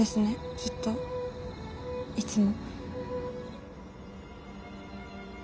ずっといつも。